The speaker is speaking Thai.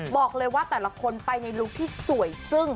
บอกเลยว่าแต่ละคนไปในลุคที่สวยจึ้ง